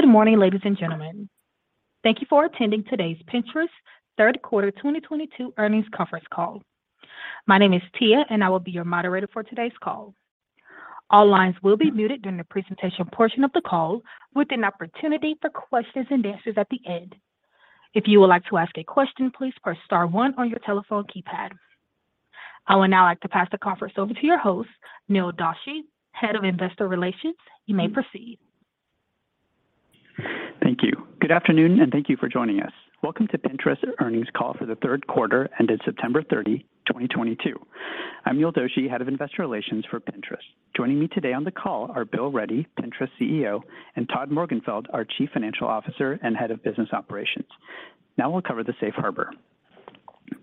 Good morning, ladies and gentlemen. Thank you for attending today's Pinterest Third Quarter 2022 Earnings Conference Call. My name is Tia, and I will be your moderator for today's call. All lines will be muted during the presentation portion of the call, with an opportunity for questions and answers at the end. If you would like to ask a question, please press star one on your telephone keypad. I would now like to pass the conference over to your host, Neil Doshi, Head of Investor Relations. You may proceed. Thank you. Good afternoon, and thank you for joining us. Welcome to Pinterest earnings call for the third quarter ended September 30, 2022. I'm Neil Doshi, Head of Investor Relations for Pinterest. Joining me today on the call are Bill Ready, Pinterest CEO, and Todd Morgenfeld, our Chief Financial Officer and Head of Business Operations. Now we'll cover the safe harbor.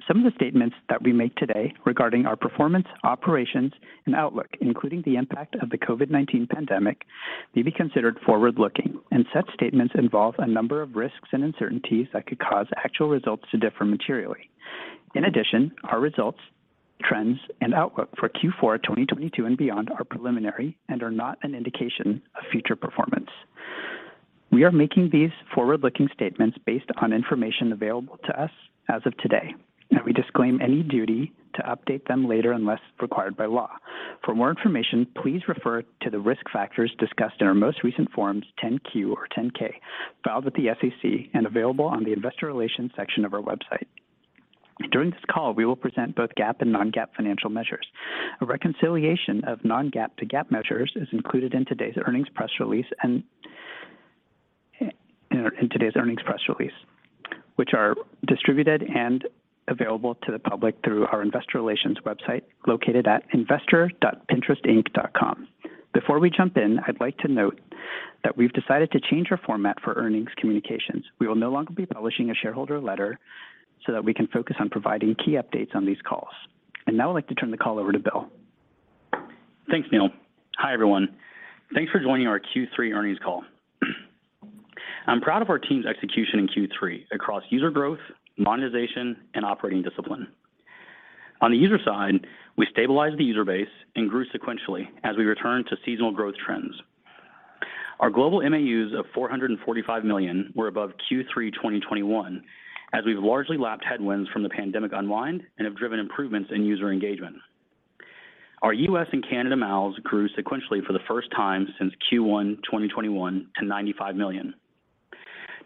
Some of the statements that we make today regarding our performance, operations, and outlook, including the impact of the COVID-19 pandemic, may be considered forward-looking, and such statements involve a number of risks and uncertainties that could cause actual results to differ materially. In addition, our results, trends, and outlook for Q4 2022 and beyond are preliminary and are not an indication of future performance. We are making these forward-looking statements based on information available to us as of today, and we disclaim any duty to update them later unless required by law. For more information, please refer to the risk factors discussed in our most recent forms 10-Q or 10-K, filed with the SEC and available on the investor relations section of our website. During this call, we will present both GAAP and non-GAAP financial measures. A reconciliation of non-GAAP to GAAP measures is included in today's earnings press release, which are distributed and available to the public through our investor relations website located at investor.pinterest.com. Before we jump in, I'd like to note that we've decided to change our format for earnings communications. We will no longer be publishing a shareholder letter so that we can focus on providing key updates on these calls. Now I'd like to turn the call over to Bill. Thanks, Neil. Hi everyone. Thanks for joining our Q3 earnings call. I'm proud of our team's execution in Q3 across user growth, monetization, and operating discipline. On the user side, we stabilized the user base and grew sequentially as we return to seasonal growth trends. Our global MAUs of 445 million were above Q3 2021, as we've largely lapped headwinds from the pandemic unwind and have driven improvements in user engagement. Our US and Canada MAUs grew sequentially for the first time since Q1 2021 to 95 million.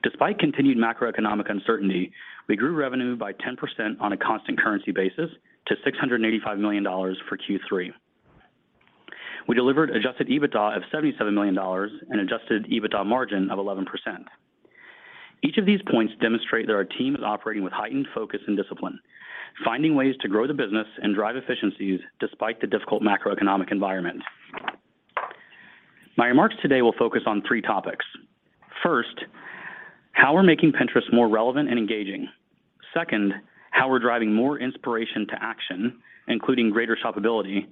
Despite continued macroeconomic uncertainty, we grew revenue by 10% on a constant currency basis to $685 million for Q3. We delivered adjusted EBITDA of $77 million and adjusted EBITDA margin of 11%. Each of these points demonstrate that our team is operating with heightened focus and discipline, finding ways to grow the business and drive efficiencies despite the difficult macroeconomic environment. My remarks today will focus on three topics. First, how we're making Pinterest more relevant and engaging. Second, how we're driving more inspiration to action, including greater shoppability.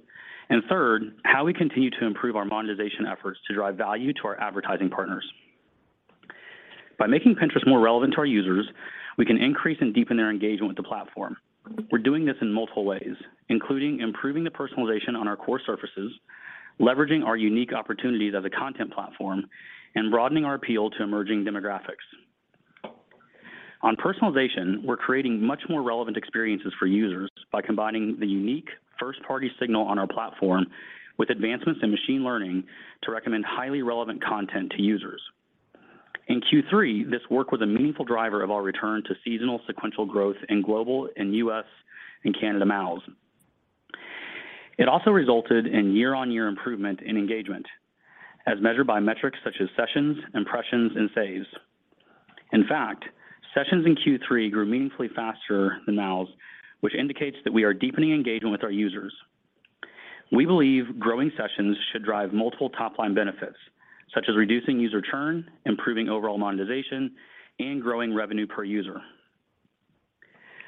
Third, how we continue to improve our monetization efforts to drive value to our advertising partners. By making Pinterest more relevant to our users, we can increase and deepen their engagement with the platform. We're doing this in multiple ways, including improving the personalization on our core surfaces, leveraging our unique opportunities as a content platform, and broadening our appeal to emerging demographics. On personalization, we're creating much more relevant experiences for users by combining the unique first-party signal on our platform with advancements in machine learning to recommend highly relevant content to users. In Q3, this work was a meaningful driver of our return to seasonal sequential growth in global and U.S. and Canada MAUs. It also resulted in year-on-year improvement in engagement, as measured by metrics such as sessions, impressions, and saves. In fact, sessions in Q3 grew meaningfully faster than MAUs, which indicates that we are deepening engagement with our users. We believe growing sessions should drive multiple top-line benefits, such as reducing user churn, improving overall monetization, and growing revenue per user.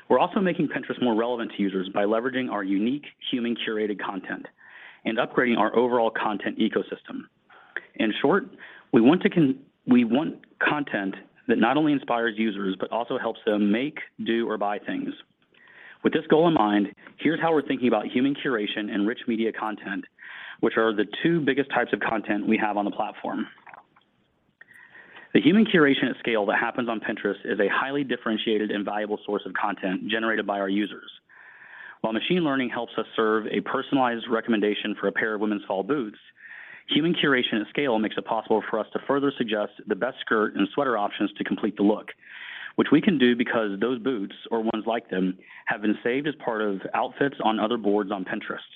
We're also making Pinterest more relevant to users by leveraging our unique human-curated content and upgrading our overall content ecosystem. In short, we want content that not only inspires users, but also helps them make, do, or buy things. With this goal in mind, here's how we're thinking about human curation and rich media content, which are the two biggest types of content we have on the platform. The human curation at scale that happens on Pinterest is a highly differentiated and valuable source of content generated by our users. While machine learning helps us serve a personalized recommendation for a pair of women's tall boots, human curation at scale makes it possible for us to further suggest the best skirt and sweater options to complete the look, which we can do because those boots or ones like them have been saved as part of outfits on other boards on Pinterest.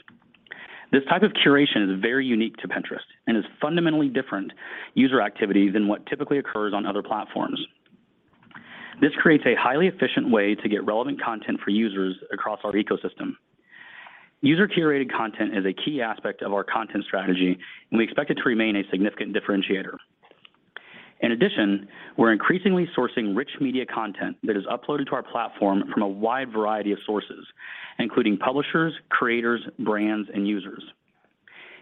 This type of curation is very unique to Pinterest and is fundamentally different user activity than what typically occurs on other platforms. This creates a highly efficient way to get relevant content for users across our ecosystem. User-curated content is a key aspect of our content strategy, and we expect it to remain a significant differentiator. In addition, we're increasingly sourcing rich media content that is uploaded to our platform from a wide variety of sources, including publishers, creators, brands, and users.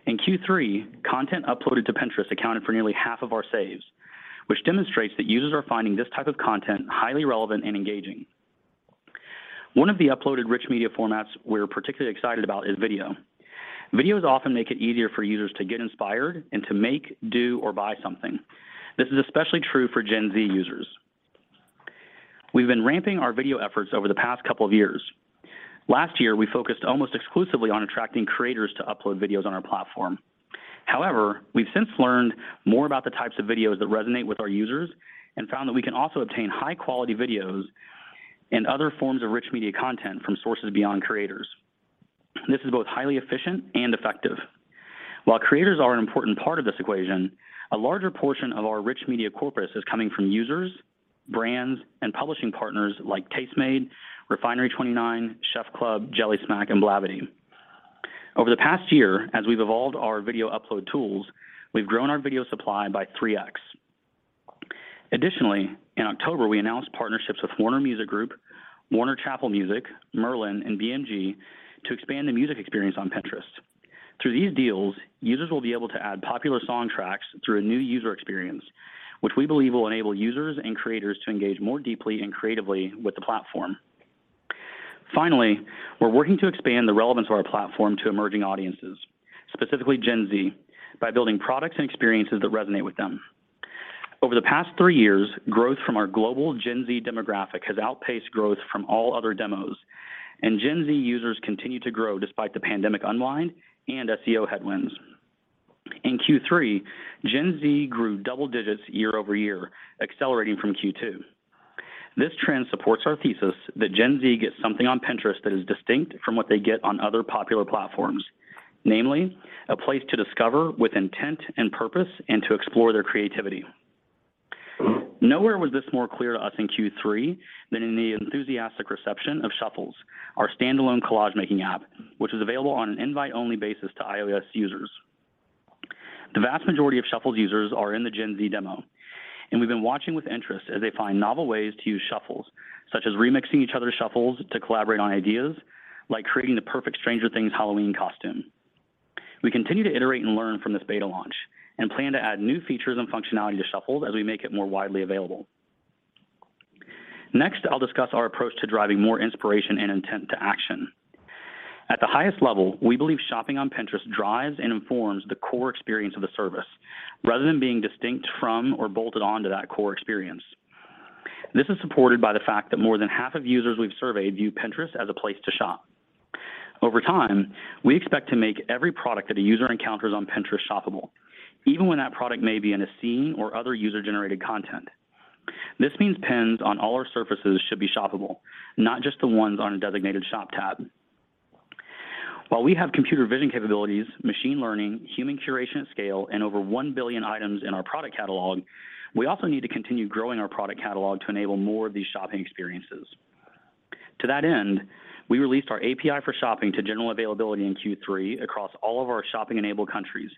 In Q3, content uploaded to Pinterest accounted for nearly half of our saves, which demonstrates that users are finding this type of content highly relevant and engaging. One of the uploaded rich media formats we're particularly excited about is video. Videos often make it easier for users to get inspired and to make, do, or buy something. This is especially true for Gen Z users. We've been ramping our video efforts over the past couple of years. Last year, we focused almost exclusively on attracting creators to upload videos on our platform. However, we've since learned more about the types of videos that resonate with our users and found that we can also obtain high-quality videos and other forms of rich media content from sources beyond creators. This is both highly efficient and effective. While creators are an important part of this equation, a larger portion of our rich media corpus is coming from users, brands, and publishing partners like Tastemade, Refinery29, Chefclub, Jellysmack, and Blavity. Over the past year, as we've evolved our video upload tools, we've grown our video supply by 3x. Additionally, in October, we announced partnerships with Warner Music Group, Warner Chappell Music, Merlin, and BMG to expand the music experience on Pinterest. Through these deals, users will be able to add popular song tracks through a new user experience, which we believe will enable users and creators to engage more deeply and creatively with the platform. Finally, we're working to expand the relevance of our platform to emerging audiences, specifically Gen Z, by building products and experiences that resonate with them. Over the past three years, growth from our global Gen Z demographic has outpaced growth from all other demos, and Gen Z users continue to grow despite the pandemic unwind and SEO headwinds. In Q3, Gen Z grew double digits year-over-year, accelerating from Q2. This trend supports our thesis that Gen Z gets something on Pinterest that is distinct from what they get on other popular platforms, namely, a place to discover with intent and purpose and to explore their creativity. Nowhere was this more clear to us in Q3 than in the enthusiastic reception of Shuffles, our standalone collage-making app, which is available on an invite-only basis to iOS users. The vast majority of Shuffles users are in the Gen Z demo, and we've been watching with interest as they find novel ways to use Shuffles, such as remixing each other's Shuffles to collaborate on ideas like creating the perfect Stranger Things Halloween costume. We continue to iterate and learn from this beta launch and plan to add new features and functionality to Shuffles as we make it more widely available. Next, I'll discuss our approach to driving more inspiration and intent to action. At the highest level, we believe shopping on Pinterest drives and informs the core experience of the service rather than being distinct from or bolted on to that core experience. This is supported by the fact that more than half of users we've surveyed view Pinterest as a place to shop. Over time, we expect to make every product that a user encounters on Pinterest shoppable, even when that product may be in a scene or other user-generated content. This means pins on all our surfaces should be shoppable, not just the ones on a designated shop tab. While we have computer vision capabilities, machine learning, human curation at scale, and over 1 billion items in our product catalog, we also need to continue growing our product catalog to enable more of these shopping experiences. To that end, we released our API for Shopping to general availability in Q3 across all of our shopping-enabled countries,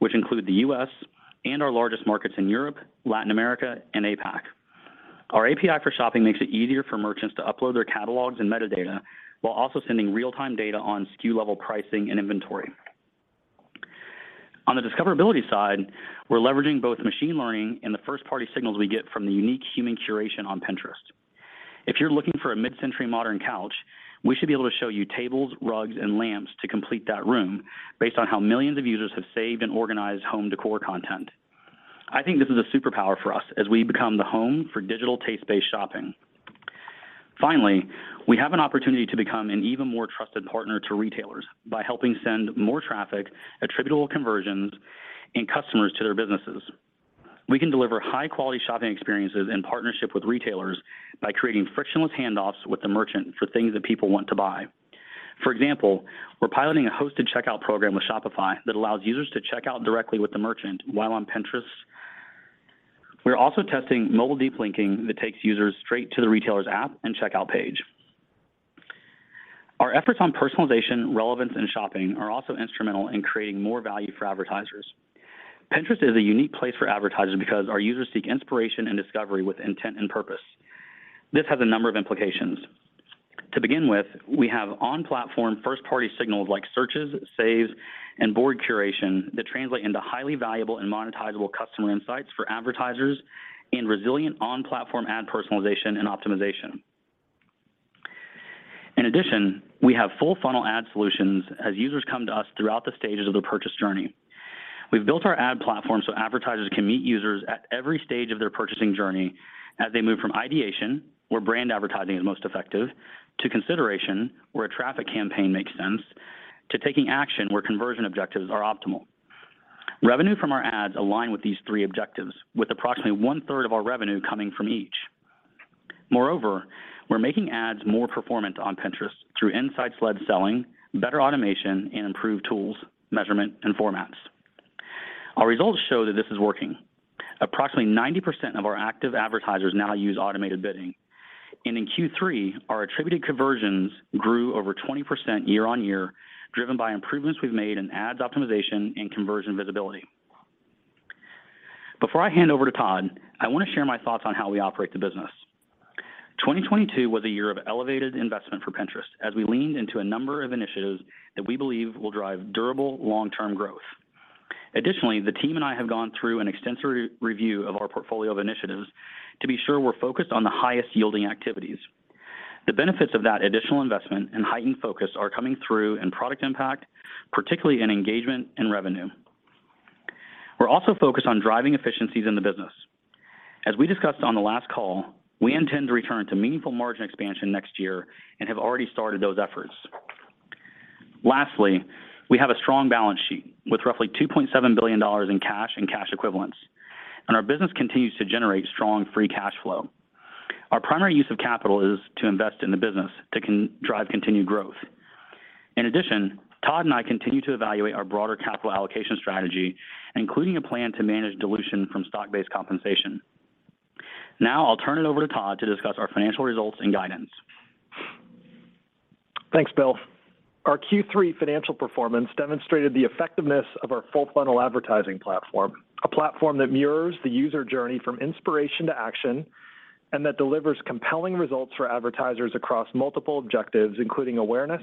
which include the U.S. and our largest markets in Europe, Latin America, and APAC. Our API for Shopping makes it easier for merchants to upload their catalogs and metadata while also sending real-time data on SKU-level pricing and inventory. On the discoverability side, we're leveraging both machine learning and the first-party signals we get from the unique human curation on Pinterest. If you're looking for a mid-century modern couch, we should be able to show you tables, rugs, and lamps to complete that room based on how millions of users have saved and organized home decor content. I think this is a superpower for us as we become the home for digital taste-based shopping. Finally, we have an opportunity to become an even more trusted partner to retailers by helping send more traffic, attributable conversions, and customers to their businesses. We can deliver high-quality shopping experiences in partnership with retailers by creating frictionless handoffs with the merchant for things that people want to buy. For example, we're piloting a hosted checkout program with Shopify that allows users to check out directly with the merchant while on Pinterest. We're also testing mobile deep linking that takes users straight to the retailer's app and checkout page. Our efforts on personalization, relevance, and shopping are also instrumental in creating more value for advertisers. Pinterest is a unique place for advertisers because our users seek inspiration and discovery with intent and purpose. This has a number of implications. To begin with, we have on-platform first-party signals like searches, saves, and board curation that translate into highly valuable and monetizable customer insights for advertisers and resilient on-platform ad personalization and optimization. In addition, we have full-funnel ad solutions as users come to us throughout the stages of their purchase journey. We've built our ad platform so advertisers can meet users at every stage of their purchasing journey as they move from ideation, where brand advertising is most effective, to consideration, where a traffic campaign makes sense, to taking action, where conversion objectives are optimal. Revenue from our ads align with these three objectives, with approximately 1/3 of our revenue coming from each. Moreover, we're making ads more performant on Pinterest through insights-led selling, better automation, and improved tools, measurement, and formats. Our results show that this is working. Approximately 90% of our active advertisers now use automated bidding. In Q3, our attributed conversions grew over 20% year on year, driven by improvements we've made in ads optimization and conversion visibility. Before I hand over to Todd, I want to share my thoughts on how we operate the business. 2022 was a year of elevated investment for Pinterest as we leaned into a number of initiatives that we believe will drive durable long-term growth. Additionally, the team and I have gone through an extensive re-review of our portfolio of initiatives to be sure we're focused on the highest-yielding activities. The benefits of that additional investment and heightened focus are coming through in product impact, particularly in engagement and revenue. We're also focused on driving efficiencies in the business. As we discussed on the last call, we intend to return to meaningful margin expansion next year and have already started those efforts. Lastly, we have a strong balance sheet with roughly $2.7 billion in cash and cash equivalents, and our business continues to generate strong free cash flow. Our primary use of capital is to invest in the business to drive continued growth. In addition, Todd and I continue to evaluate our broader capital allocation strategy, including a plan to manage dilution from stock-based compensation. Now I'll turn it over to Todd to discuss our financial results and guidance. Thanks, Bill. Our Q3 financial performance demonstrated the effectiveness of our full funnel advertising platform, a platform that mirrors the user journey from inspiration to action, and that delivers compelling results for advertisers across multiple objectives, including awareness,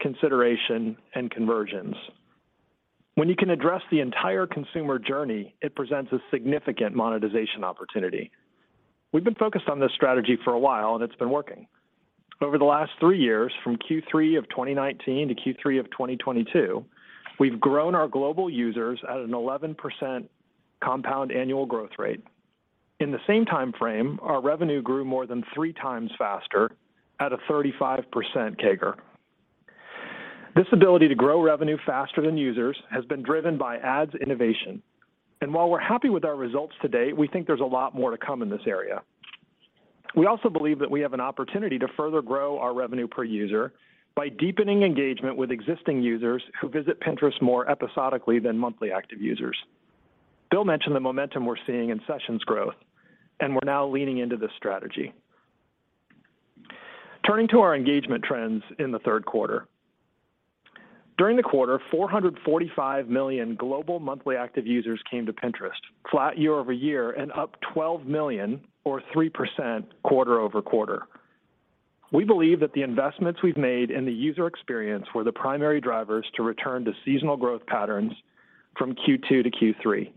consideration, and conversions. When you can address the entire consumer journey, it presents a significant monetization opportunity. We've been focused on this strategy for a while, and it's been working. Over the last three years, from Q3 of 2019 to Q3 of 2022, we've grown our global users at an 11% compound annual growth rate. In the same time frame, our revenue grew more than three times faster at a 35% CAGR. This ability to grow revenue faster than users has been driven by ads innovation. While we're happy with our results to date, we think there's a lot more to come in this area. We also believe that we have an opportunity to further grow our revenue per user by deepening engagement with existing users who visit Pinterest more episodically than monthly active users. Bill mentioned the momentum we're seeing in sessions growth, and we're now leaning into this strategy. Turning to our engagement trends in the third quarter. During the quarter, 445 million global monthly active users came to Pinterest, flat year-over-year and up 12 million or 3% quarter-over-quarter. We believe that the investments we've made in the user experience were the primary drivers to return to seasonal growth patterns from Q2 to Q3.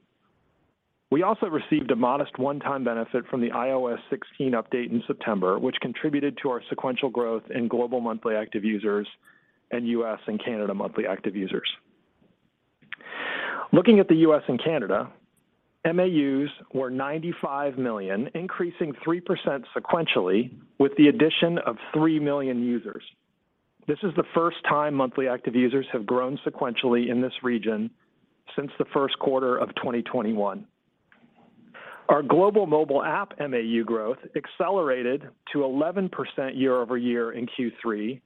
We also received a modest one-time benefit from the iOS 16 update in September, which contributed to our sequential growth in global monthly active users and U.S. and Canada monthly active users. Looking at the U.S. and Canada, MAUs were 95 million, increasing 3% sequentially with the addition of 3 million users. This is the first time monthly active users have grown sequentially in this region since the first quarter of 2021. Our global mobile app MAU growth accelerated to 11% year-over-year in Q3,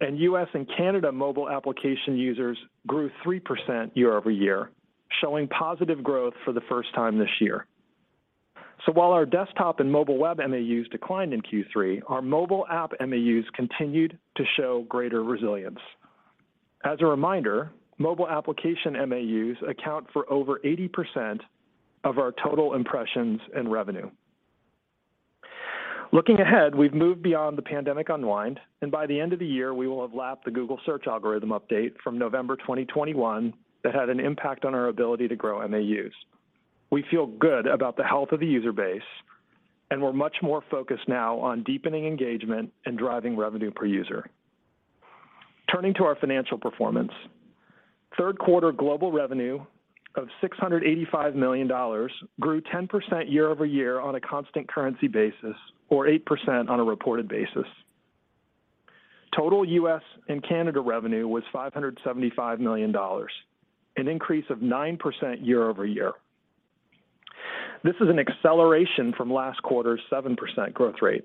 and U.S. and Canada mobile application users grew 3% year-over-year, showing positive growth for the first time this year. While our desktop and mobile web MAUs declined in Q3, our mobile app MAUs continued to show greater resilience. As a reminder, mobile application MAUs account for over 80% of our total impressions and revenue. Looking ahead, we've moved beyond the pandemic unwind, and by the end of the year, we will have lapped the Google Search algorithm update from November 2021 that had an impact on our ability to grow MAUs. We feel good about the health of the user base, and we're much more focused now on deepening engagement and driving revenue per user. Turning to our financial performance. Third quarter global revenue of $685 million grew 10% year-over-year on a constant currency basis or 8% on a reported basis. Total US and Canada revenue was $575 million, an increase of 9% year-over-year. This is an acceleration from last quarter's 7% growth rate.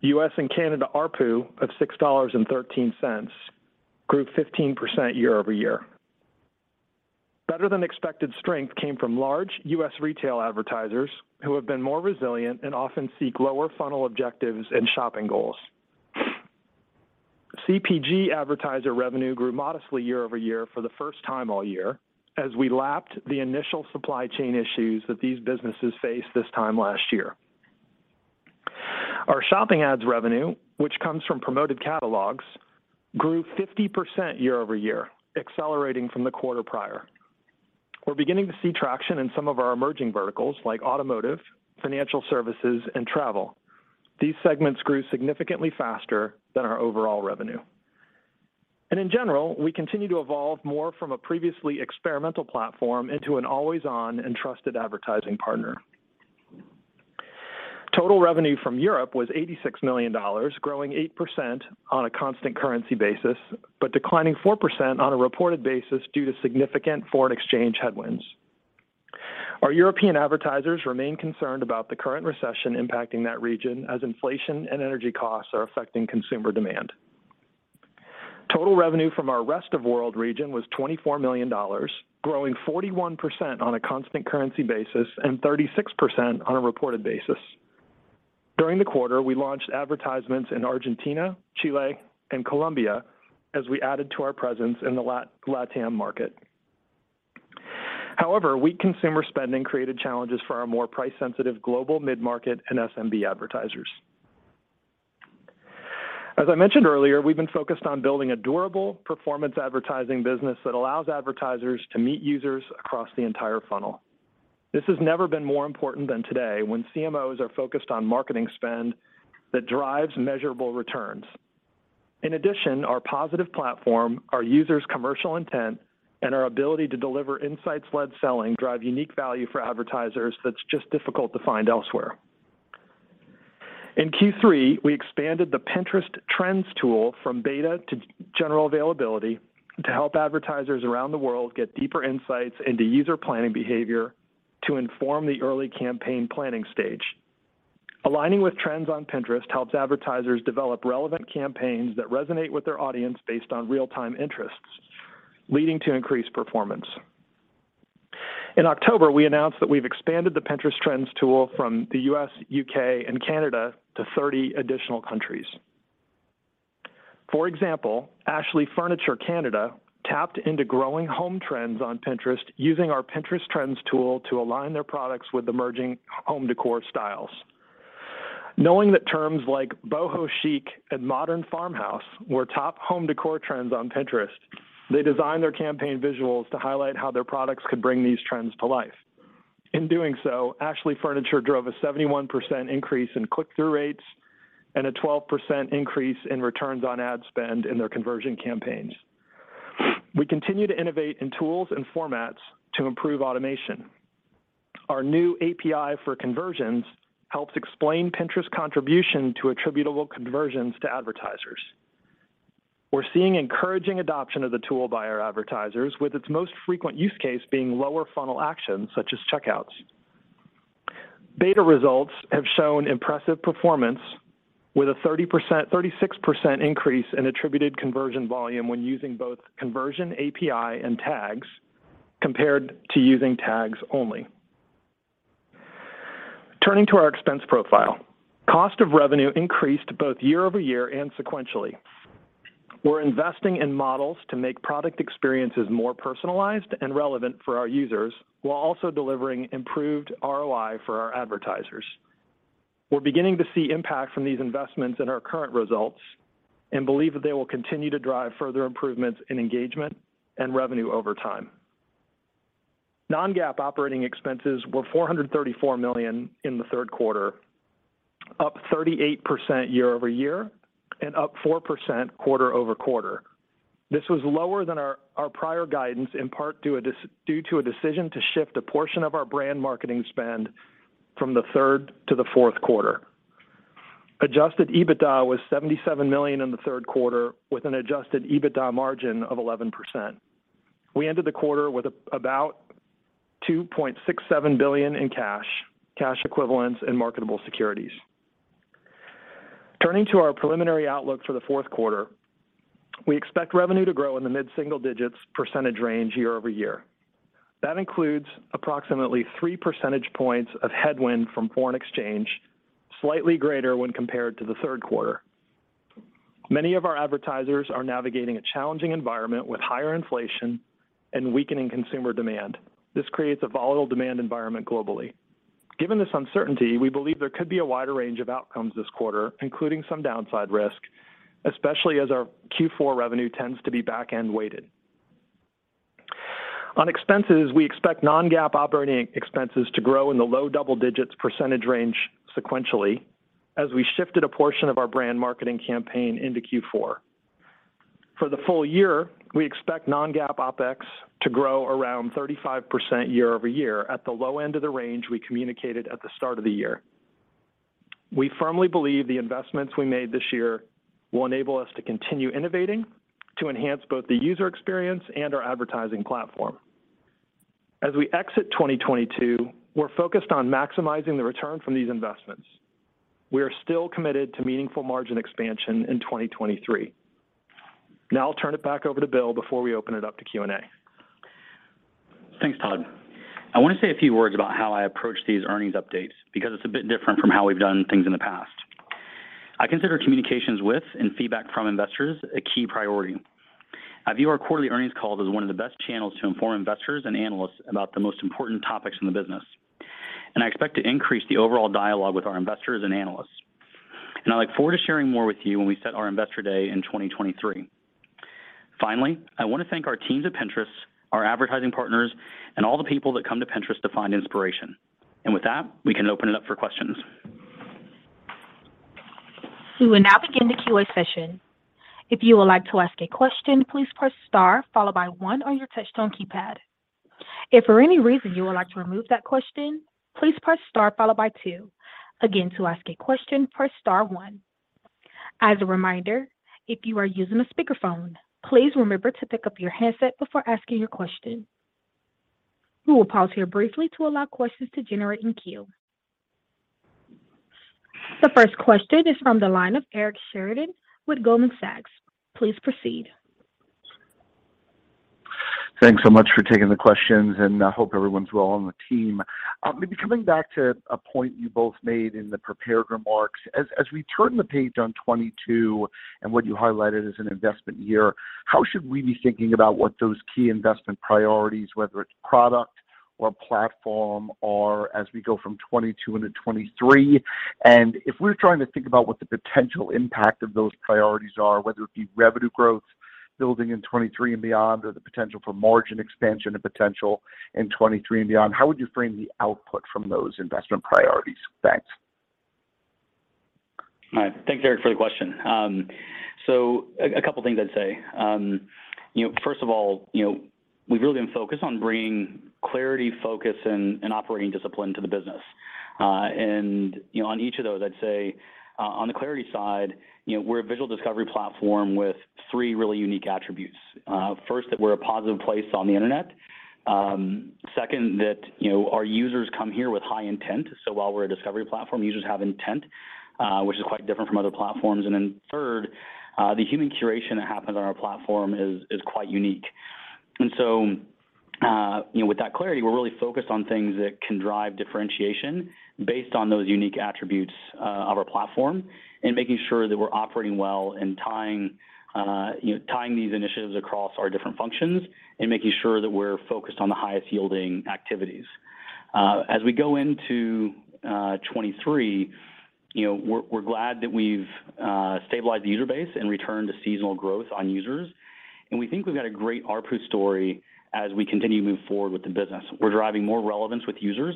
US and Canada ARPU of $6.13 grew 15% year-over-year. Better than expected strength came from large US retail advertisers who have been more resilient and often seek lower funnel objectives and shopping goals. CPG advertiser revenue grew modestly year over year for the first time all year as we lapped the initial supply chain issues that these businesses faced this time last year. Our shopping ads revenue, which comes from promoted catalogs, grew 50% year over year, accelerating from the quarter prior. We're beginning to see traction in some of our emerging verticals like automotive, financial services, and travel. These segments grew significantly faster than our overall revenue. In general, we continue to evolve more from a previously experimental platform into an always-on and trusted advertising partner. Total revenue from Europe was $86 million, growing 8% on a constant currency basis, but declining 4% on a reported basis due to significant foreign exchange headwinds. Our European advertisers remain concerned about the current recession impacting that region as inflation and energy costs are affecting consumer demand. Total revenue from our rest of world region was $24 million, growing 41% on a constant currency basis and 36% on a reported basis. During the quarter, we launched advertisements in Argentina, Chile, and Colombia as we added to our presence in the LatAm market. However, weak consumer spending created challenges for our more price-sensitive global mid-market and SMB advertisers. As I mentioned earlier, we've been focused on building a durable performance advertising business that allows advertisers to meet users across the entire funnel. This has never been more important than today when CMOs are focused on marketing spend that drives measurable returns. In addition, our positive platform, our users' commercial intent, and our ability to deliver insights-led selling drive unique value for advertisers that's just difficult to find elsewhere. In Q3, we expanded the Pinterest Trends tool from beta to general availability to help advertisers around the world get deeper insights into user planning behavior to inform the early campaign planning stage. Aligning with trends on Pinterest helps advertisers develop relevant campaigns that resonate with their audience based on real-time interests, leading to increased performance. In October, we announced that we've expanded the Pinterest Trends tool from the US, UK, and Canada to 30 additional countries. For example, Ashley Furniture Canada tapped into growing home trends on Pinterest using our Pinterest Trends tool to align their products with emerging home decor styles. Knowing that terms like boho chic and modern farmhouse were top home decor trends on Pinterest, they designed their campaign visuals to highlight how their products could bring these trends to life. In doing so, Ashley Furniture drove a 71% increase in click-through rates and a 12% increase in returns on ad spend in their conversion campaigns. We continue to innovate in tools and formats to improve automation. Our new API for Conversions helps explain Pinterest's contribution to attributable conversions to advertisers. We're seeing encouraging adoption of the tool by our advertisers with its most frequent use case being lower funnel actions such as checkouts. Beta results have shown impressive performance with a 36% increase in attributed conversion volume when using both Conversion API and tags compared to using tags only. Turning to our expense profile. Cost of revenue increased both year-over-year and sequentially. We're investing in models to make product experiences more personalized and relevant for our users while also delivering improved ROI for our advertisers. We're beginning to see impact from these investments in our current results and believe that they will continue to drive further improvements in engagement and revenue over time. Non-GAAP operating expenses were $434 million in the third quarter, up 38% year-over-year and up 4% quarter-over-quarter. This was lower than our prior guidance, in part due to a decision to shift a portion of our brand marketing spend from the third to the fourth quarter. Adjusted EBITDA was $77 million in the third quarter, with an adjusted EBITDA margin of 11%. We ended the quarter with about $2.67 billion in cash equivalents, and marketable securities. Turning to our preliminary outlook for the fourth quarter. We expect revenue to grow in the mid-single digits percentage range year-over-year. That includes approximately three percentage points of headwind from foreign exchange, slightly greater when compared to the third quarter. Many of our advertisers are navigating a challenging environment with higher inflation and weakening consumer demand. This creates a volatile demand environment globally. Given this uncertainty, we believe there could be a wider range of outcomes this quarter, including some downside risk, especially as our Q4 revenue tends to be back-end weighted. On expenses, we expect non-GAAP operating expenses to grow in the low double digits % range sequentially as we shifted a portion of our brand marketing campaign into Q4. For the full year, we expect non-GAAP OpEx to grow around 35% year-over-year at the low end of the range we communicated at the start of the year. We firmly believe the investments we made this year will enable us to continue innovating to enhance both the user experience and our advertising platform. As we exit 2022, we're focused on maximizing the return from these investments. We are still committed to meaningful margin expansion in 2023. Now I'll turn it back over to Bill before we open it up to Q&A. Thanks, Todd. I want to say a few words about how I approach these earnings updates because it's a bit different from how we've done things in the past. I consider communications with and feedback from investors a key priority. I view our quarterly earnings calls as one of the best channels to inform investors and analysts about the most important topics in the business, and I expect to increase the overall dialogue with our investors and analysts. I look forward to sharing more with you when we set our Investor Day in 2023. Finally, I want to thank our teams at Pinterest, our advertising partners, and all the people that come to Pinterest to find inspiration. With that, we can open it up for questions. We will now begin the Q&A session. If you would like to ask a question, please press star followed by one on your touchtone keypad. If for any reason you would like to remove that question, please press star followed by two. Again, to ask a question, press star one. As a reminder, if you are using a speakerphone, please remember to pick up your headset before asking your question. We will pause here briefly to allow questions to generate in queue. The first question is from the line of Eric Sheridan with Goldman Sachs. Please proceed. Thanks so much for taking the questions, and I hope everyone's well on the team. Maybe coming back to a point you both made in the prepared remarks. As we turn the page on 2022 and what you highlighted as an investment year, how should we be thinking about what those key investment priorities, whether it's product, Our priorities for the platform are as we go from 2022 into 2023. If we're trying to think about what the potential impact of those priorities are, whether it be revenue growth building in 2023 and beyond, or the potential for margin expansion and potential in 2023 and beyond, how would you frame the output from those investment priorities? Thanks. All right. Thanks, Eric, for the question. So a couple things I'd say. You know, first of all, you know, we've really been focused on bringing clarity, focus and operating discipline to the business. You know, on each of those, I'd say, on the clarity side, you know, we're a visual discovery platform with three really unique attributes. First, that we're a positive place on the internet. Second, that, you know, our users come here with high intent. So while we're a discovery platform, users have intent, which is quite different from other platforms. Third, the human curation that happens on our platform is quite unique. With that clarity, we're really focused on things that can drive differentiation based on those unique attributes of our platform and making sure that we're operating well and tying you know, tying these initiatives across our different functions and making sure that we're focused on the highest yielding activities. As we go into 2023, you know, we're glad that we've stabilized the user base and returned to seasonal growth on users. We think we've got a great ARPU story as we continue to move forward with the business. We're driving more relevance with users,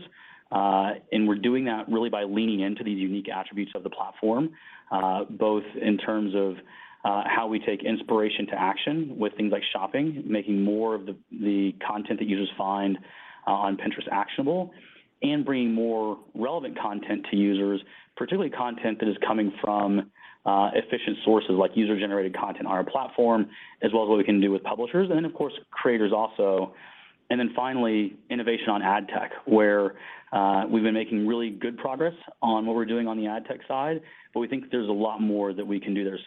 and we're doing that really by leaning into these unique attributes of the platform, both in terms of how we take inspiration to action with things like shopping, making more of the content that users find on Pinterest actionable and bringing more relevant content to users, particularly content that is coming from efficient sources like user-generated content on our platform, as well as what we can do with publishers and then of course creators also. Innovation on ad tech, where we've been making really good progress on what we're doing on the ad tech side, but we think there's a lot more that we can do there.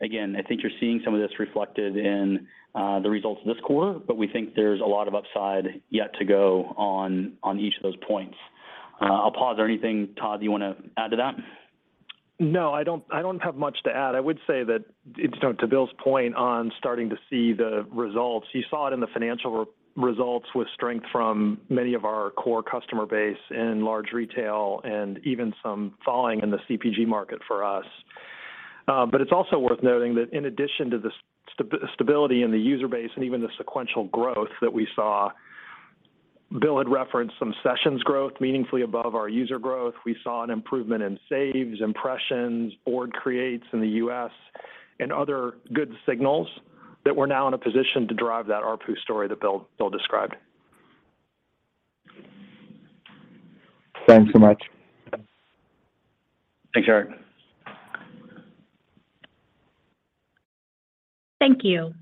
Again, I think you're seeing some of this reflected in the results of this quarter, but we think there's a lot of upside yet to go on each of those points. I'll pause. Anything, Todd, you want to add to that? No, I don't have much to add. I would say that, you know, to Bill's point on starting to see the results, you saw it in the financial results with strength from many of our core customer base in large retail and even some thawing in the CPG market for us. But it's also worth noting that in addition to the stability in the user base and even the sequential growth that we saw, Bill had referenced some sessions growth meaningfully above our user growth. We saw an improvement in saves, impressions, board creates in the U.S. and other good signals that we're now in a position to drive that ARPU story that Bill described. Thanks so much. Thanks, Eric. Thank you.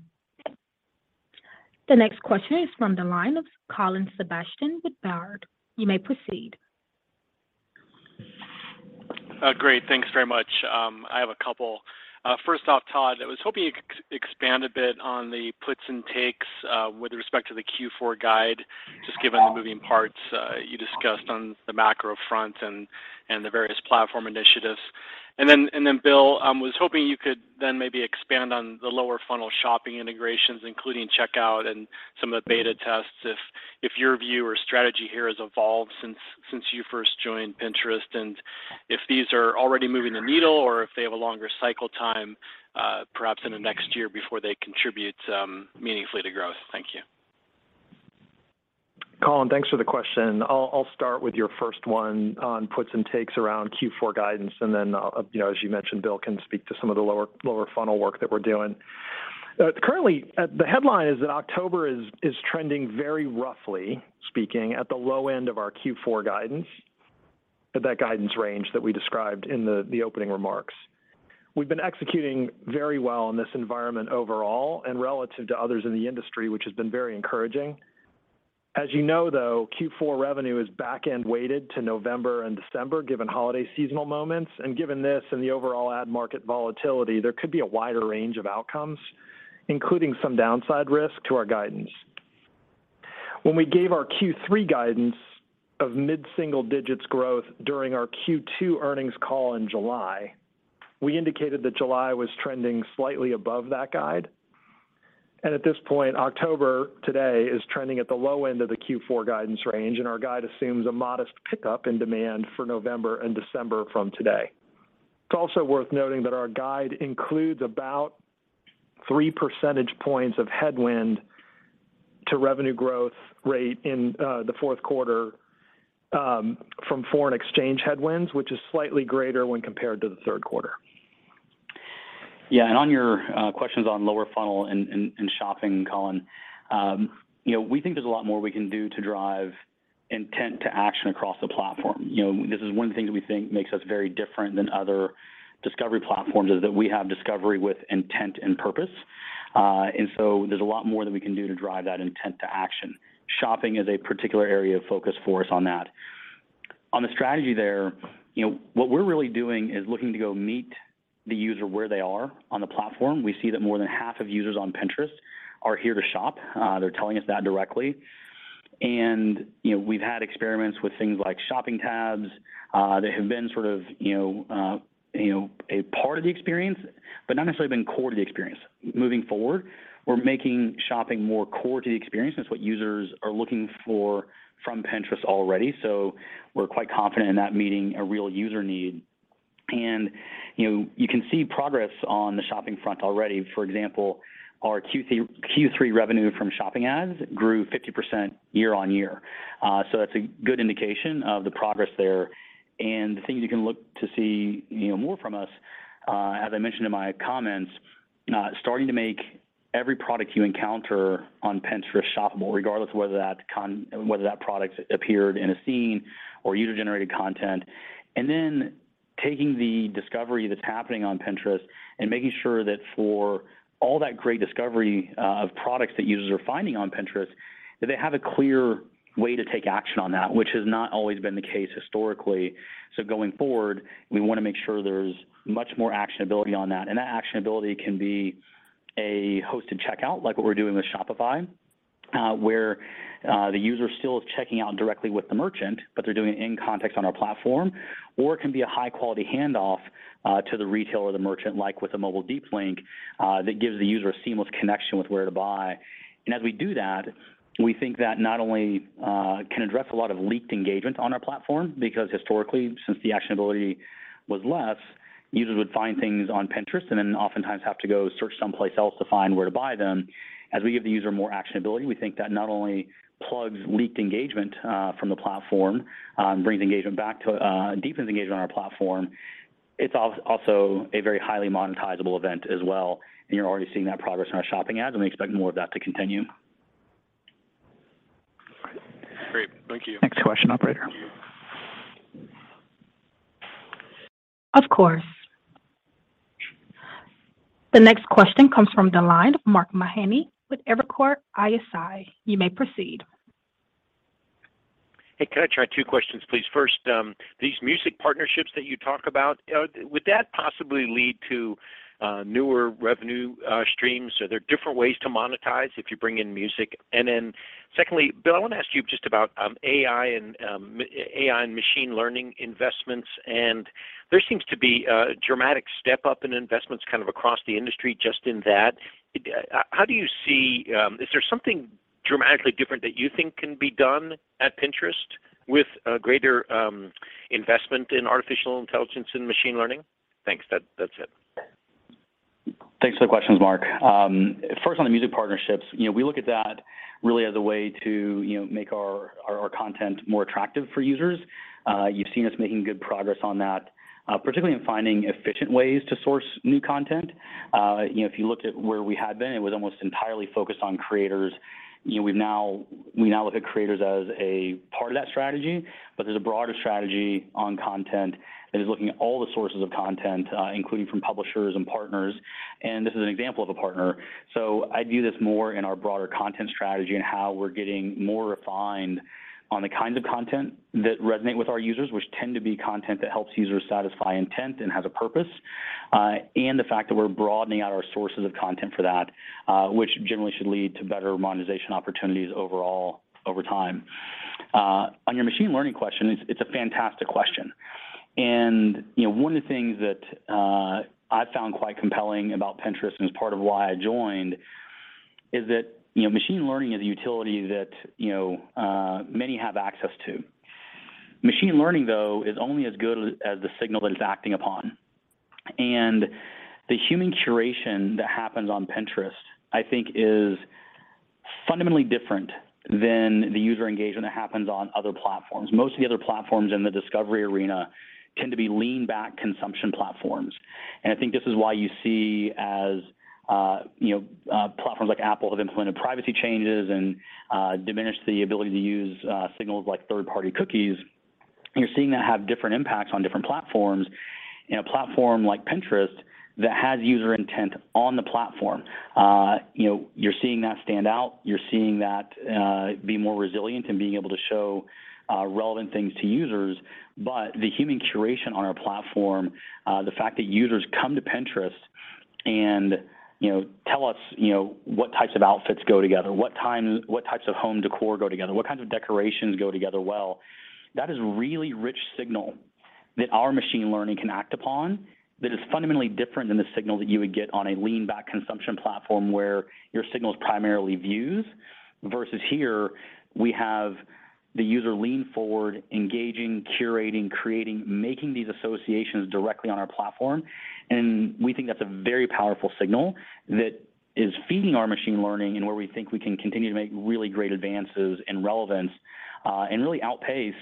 The next question is from the line of Colin Sebastian with Baird. You may proceed. Great. Thanks very much. I have a couple. First off, Todd, I was hoping you could expand a bit on the puts and takes with respect to the Q4 guide, just given the moving parts you discussed on the macro front and the various platform initiatives. Bill, was hoping you could then maybe expand on the lower funnel shopping integrations, including checkout and some of the beta tests, if your view or strategy here has evolved since you first joined Pinterest, and if these are already moving the needle or if they have a longer cycle time, perhaps in the next year before they contribute meaningfully to growth. Thank you. Colin, thanks for the question. I'll start with your first one on puts and takes around Q4 guidance and then, you know, as you mentioned, Bill can speak to some of the lower funnel work that we're doing. Currently, the headline is that October is trending very roughly speaking at the low end of our Q4 guidance, at that guidance range that we described in the opening remarks. We've been executing very well in this environment overall and relative to others in the industry, which has been very encouraging. As you know, though, Q4 revenue is back-end weighted to November and December, given holiday seasonal moments. Given this and the overall ad market volatility, there could be a wider range of outcomes, including some downside risk to our guidance. When we gave our Q3 guidance of mid-single digits growth during our Q2 earnings call in July, we indicated that July was trending slightly above that guide. At this point, October today is trending at the low end of the Q4 guidance range, and our guide assumes a modest pickup in demand for November and December from today. It's also worth noting that our guide includes about three percentage points of headwind to revenue growth rate in the fourth quarter from foreign exchange headwinds, which is slightly greater when compared to the third quarter. Yeah. On your questions on lower funnel and shopping, Colin, you know, we think there's a lot more we can do to drive intent to action across the platform. You know, this is one thing that we think makes us very different than other discovery platforms is that we have discovery with intent and purpose. There's a lot more that we can do to drive that intent to action. Shopping is a particular area of focus for us on that. On the strategy there, you know, what we're really doing is looking to go meet the user where they are on the platform. We see that more than half of users on Pinterest are here to shop. They're telling us that directly. You know, we've had experiments with things like shopping tabs that have been sort of, you know, a part of the experience, but not necessarily been core to the experience. Moving forward, we're making shopping more core to the experience. That's what users are looking for from Pinterest already. We're quite confident in that meeting a real user need. You know, you can see progress on the shopping front already. For example, our Q3 revenue from shopping ads grew 50% year-over-year. That's a good indication of the progress there. The things you can look to see, you know, more from us, as I mentioned in my comments, starting to make every product you encounter on Pinterest shoppable, regardless of whether that product appeared in a scene or user-generated content. Taking the discovery that's happening on Pinterest and making sure that for all that great discovery of products that users are finding on Pinterest, that they have a clear way to take action on that, which has not always been the case historically. Going forward, we want to make sure there's much more actionability on that. That actionability can be a hosted checkout, like what we're doing with Shopify, where the user still is checking out directly with the merchant, but they're doing it in context on our platform. It can be a high-quality handoff to the retailer or the merchant, like with a mobile deep link, that gives the user a seamless connection with where to buy. As we do that, we think that not only can address a lot of leaked engagement on our platform because historically, since the actionability was less, users would find things on Pinterest and then oftentimes have to go search someplace else to find where to buy them. As we give the user more actionability, we think that not only plugs leaked engagement from the platform, brings engagement back to, deepens engagement on our platform. It's also a very highly monetizable event as well, and you're already seeing that progress in our shopping ads, and we expect more of that to continue. Great. Thank you. Next question, operator. Of course. The next question comes from the line of Mark Mahaney with Evercore ISI. You may proceed. Hey, can I try two questions, please? First, these music partnerships that you talk about, would that possibly lead to newer revenue streams? Are there different ways to monetize if you bring in music? Then secondly, Bill, I want to ask you just about AI and machine learning investments. There seems to be a dramatic step up in investments kind of across the industry just in that. How do you see? Is there something dramatically different that you think can be done at Pinterest with a greater investment in artificial intelligence and machine learning? Thanks. That's it. Thanks for the questions, Mark. First on the music partnerships, you know, we look at that really as a way to, you know, make our content more attractive for users. You've seen us making good progress on that, particularly in finding efficient ways to source new content. You know, if you looked at where we had been, it was almost entirely focused on creators. We now look at creators as a part of that strategy, but there's a broader strategy on content that is looking at all the sources of content, including from publishers and partners. This is an example of a partner. I view this more in our broader content strategy and how we're getting more refined on the kinds of content that resonate with our users, which tend to be content that helps users satisfy intent and has a purpose. The fact that we're broadening out our sources of content for that, which generally should lead to better monetization opportunities overall over time. On your machine learning question, it's a fantastic question. You know, one of the things that I found quite compelling about Pinterest and is part of why I joined is that, you know, machine learning is a utility that, you know, many have access to. Machine learning, though, is only as good as the signal that it's acting upon. The human curation that happens on Pinterest, I think, is fundamentally different than the user engagement that happens on other platforms. Most of the other platforms in the discovery arena tend to be lean-back consumption platforms. I think this is why you see, you know, platforms like Apple have implemented privacy changes and diminished the ability to use signals like third-party cookies. You're seeing that have different impacts on different platforms. In a platform like Pinterest that has user intent on the platform, you know, you're seeing that stand out. You're seeing that be more resilient in being able to show relevant things to users. The human curation on our platform, the fact that users come to Pinterest and, you know, tell us, you know, what types of outfits go together, what time, what types of home decor go together, what kinds of decorations go together well, that is really rich signal that our machine learning can act upon that is fundamentally different than the signal that you would get on a lean-back consumption platform where your signal is primarily views. Versus here, we have the user lean forward, engaging, curating, creating, making these associations directly on our platform. We think that's a very powerful signal that is feeding our machine learning and where we think we can continue to make really great advances in relevance, and really outpace,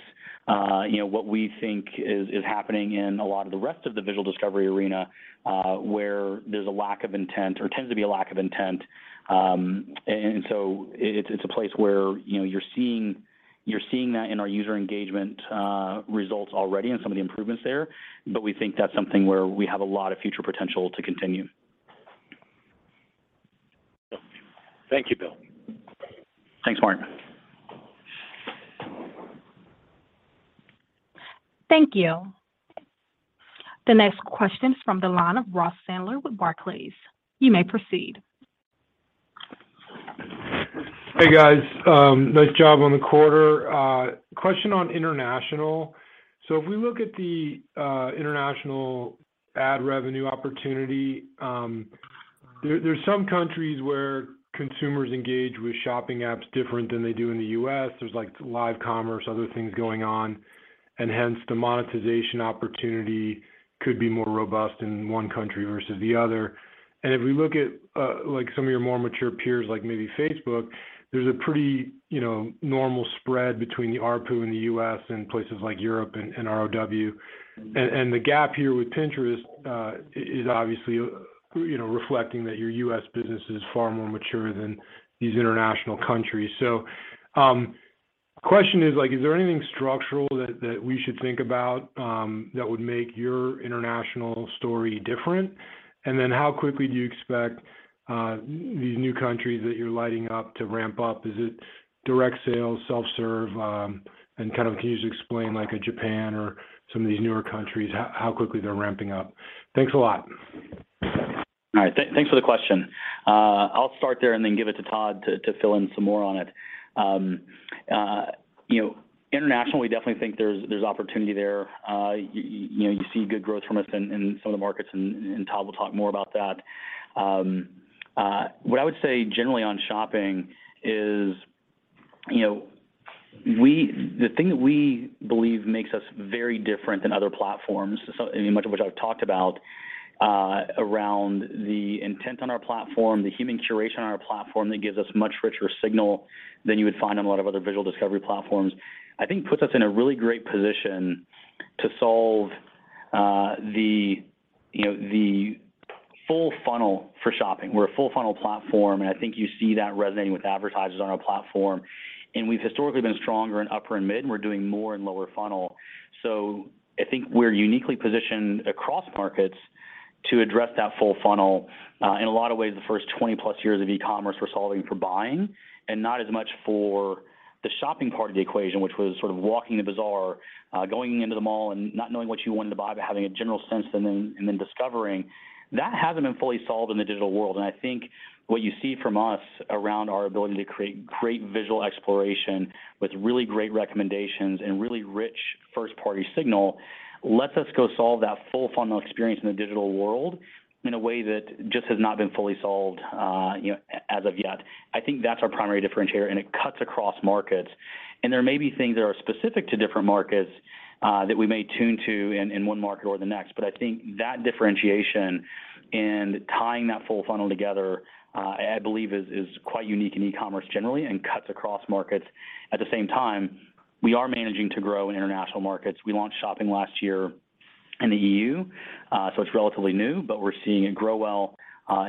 you know, what we think is happening in a lot of the rest of the visual discovery arena, where there's a lack of intent or tends to be a lack of intent. It's a place where, you know, you're seeing that in our user engagement results already and some of the improvements there. We think that's something where we have a lot of future potential to continue. Thank you, Bill. Thanks, Mark. Thank you. The next question is from the line of Ross Sandler with Barclays. You may proceed. Hey, guys. Nice job on the quarter. Question on international. If we look at the international ad revenue opportunity, there's some countries where consumers engage with shopping apps different than they do in the US. There's like live commerce, other things going on, and hence the monetization opportunity could be more robust in one country versus the other. If we look at like some of your more mature peers, like maybe Facebook, there's a pretty normal spread between the ARPU in the US and places like Europe and ROW. The gap here with Pinterest is obviously reflecting that your US business is far more mature than these international countries. Question is like, is there anything structural that we should think about that would make your international story different? How quickly do you expect these new countries that you're lighting up to ramp up? Is it direct sales, self-serve? Kind of, can you just explain like Japan or some of these newer countries, how quickly they're ramping up? Thanks a lot. All right. Thanks for the question. I'll start there and then give it to Todd to fill in some more on it. You know, internationally, definitely think there's opportunity there. You know, you see good growth from us in some of the markets and Todd will talk more about that. What I would say generally on shopping is, you know, the thing that we believe makes us very different than other platforms and much of which I've talked about around the intent on our platform, the human curation on our platform that gives us much richer signal than you would find on a lot of other visual discovery platforms. I think puts us in a really great position to solve the full funnel for shopping. We're a full funnel platform, and I think you see that resonating with advertisers on our platform. We've historically been stronger in upper and mid, and we're doing more in lower funnel. I think we're uniquely positioned across markets to address that full funnel. In a lot of ways, the first +20 years of e-commerce, we're solving for buying and not as much for the shopping part of the equation, which was sort of walking the bazaar, going into the mall and not knowing what you wanted to buy, but having a general sense and then, and then discovering. That hasn't been fully solved in the digital world. I think what you see from us around our ability to create great visual exploration with really great recommendations and really rich first-party signal, lets us go solve that full funnel experience in the digital world in a way that just has not been fully solved, you know, as of yet. I think that's our primary differentiator and it cuts across markets. There may be things that are specific to different markets that we may tune to in one market or the next, but I think that differentiation and tying that full funnel together, I believe is quite unique in e-commerce generally and cuts across markets. At the same time, we are managing to grow in international markets. We launched shopping last year in the EU, so it's relatively new, but we're seeing it grow well.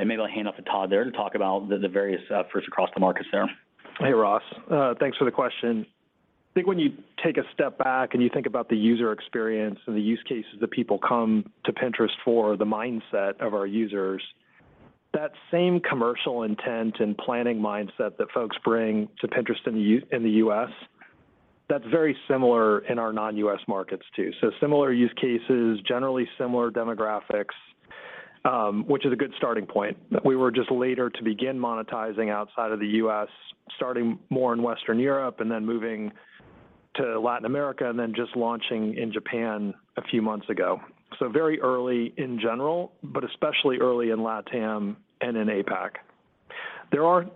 Maybe I'll hand off to Todd there to talk about the various efforts across the markets there. Hey, Ross. Thanks for the question. I think when you take a step back and you think about the user experience and the use cases that people come to Pinterest for, the mindset of our users, that same commercial intent and planning mindset that folks bring to Pinterest in the U.S., that's very similar in our non-US markets too. Similar use cases, generally similar demographics, which is a good starting point. We were just later to begin monetizing outside of the U.S., starting more in Western Europe and then moving to Latin America and then just launching in Japan a few months ago. Very early in general, but especially early in LatAm and in APAC. There are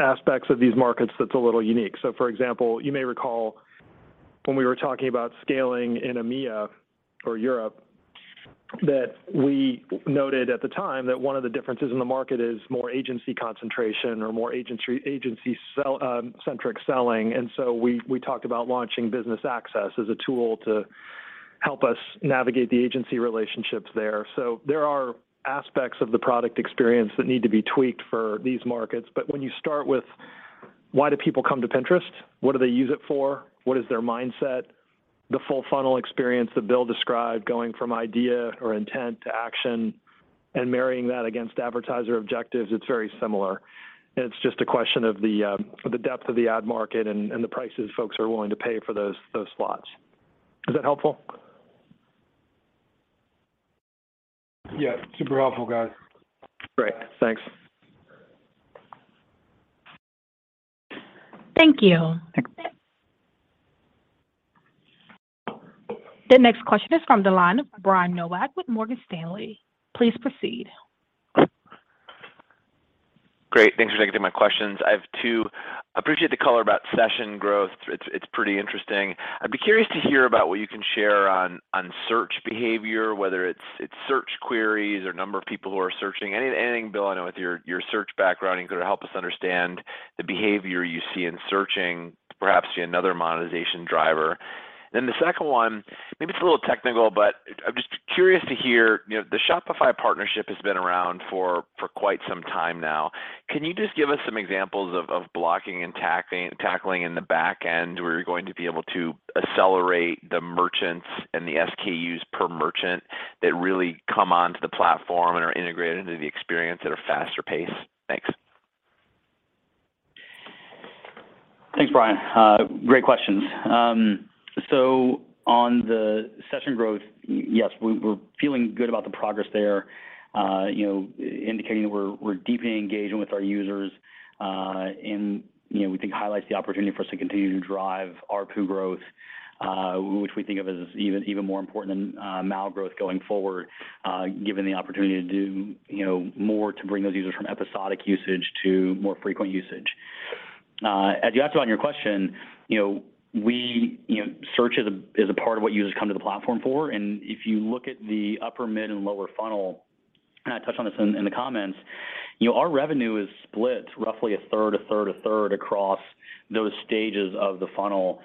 aspects of these markets that's a little unique. For example, you may recall when we were talking about scaling in EMEA or Europe, that we noted at the time that one of the differences in the market is more agency concentration or more agency-centric selling. We talked about launching Business Access as a tool to help us navigate the agency relationships there. There are aspects of the product experience that need to be tweaked for these markets. When you start with why do people come to Pinterest, what do they use it for, what is their mindset, the full funnel experience that Bill described going from idea or intent to action and marrying that against advertiser objectives, it's very similar. It's just a question of the depth of the ad market and the prices folks are willing to pay for those slots. Is that helpful? Yeah. Super helpful, guys. Great. Thanks. Thank you. The next question is from the line of Brian Nowak with Morgan Stanley. Please proceed. Great. Thanks for taking my questions. I have two. Appreciate the color about session growth. It's pretty interesting. I'd be curious to hear about what you can share on search behavior, whether it's search queries or number of people who are searching. Anything, Bill, I know with your search background, you could help us understand the behavior you see in searching, perhaps another monetization driver. Then the second one, maybe it's a little technical, but I'm just curious to hear, you know, the Shopify partnership has been around for quite some time now. Can you just give us some examples of tackling in the back end where you're going to be able to accelerate the merchants and the SKUs per merchant that really come onto the platform and are integrated into the experience at a faster pace? Thanks. Thanks, Brian. Great questions. So on the session growth, yes, we're feeling good about the progress there, you know, indicating we're deepening engagement with our users, and you know, we think highlights the opportunity for us to continue to drive ARPU growth. Which we think of as even more important than MAU growth going forward, given the opportunity to do, you know, more to bring those users from episodic usage to more frequent usage. As you asked on your question, you know, you know, search is a part of what users come to the platform for, and if you look at the upper mid and lower funnel, and I touched on this in the comments, you know, our revenue is split roughly a third, a third, a third across those stages of the funnel.